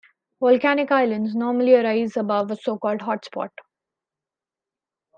Volcanic islands normally arise above a so-called hotspot.